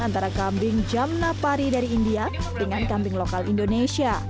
antara kambing jamnapari dari india dengan kambing lokal indonesia